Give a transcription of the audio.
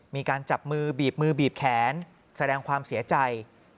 มีการจับมือบีบมือบีบแขนแสดงความเสียใจ